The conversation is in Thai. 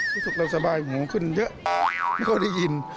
ที่สุดเราสบายของหูขึ้นเยอะไม่ค่อยได้ยิน